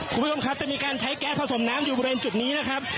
คุณผู้ชมครับจะมีการใช้แก๊สผสมน้ำอยู่บริเวณจุดนี้นะครับ